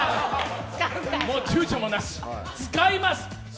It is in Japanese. もうちゅうちょもなし、使います。